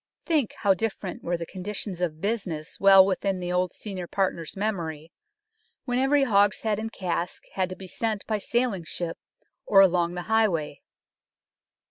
Think how different were the conditions of business well within the old senior partner's memory, when every hogshead and cask had to be sent by sailing ship or along the highway.